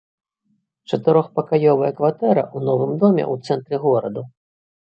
Чатырохпакаёвая кватэра ў новым доме ў цэнтры гораду.